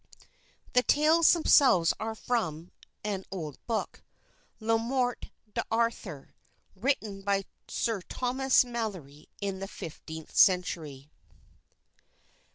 The tales themselves are from an old book, "Le Morte d' Arthur," written by Sir Thomas Malory in the fifteenth century.